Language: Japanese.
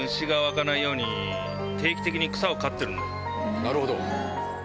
なるほど。